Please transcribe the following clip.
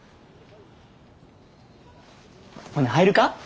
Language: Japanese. ほな入るか？